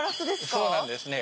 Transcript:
・そうなんですね・